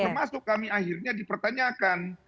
termasuk kami akhirnya dipertanyakan